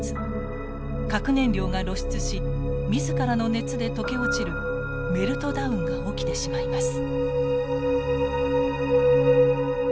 核燃料が露出し自らの熱で溶け落ちるメルトダウンが起きてしまいます。